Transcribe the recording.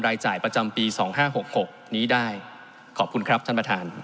รายจ่ายประจำปีสองห้าหกหกนี้ได้ขอบคุณครับท่านประธาน